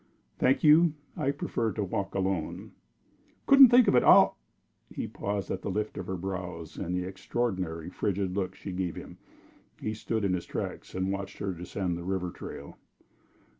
"Thank you. I prefer to walk alone." "Couldn't think of it. I'll " But he paused at the lift of her brows and the extraordinarily frigid look she gave him. He stood in his tracks, watching her descend the river trail.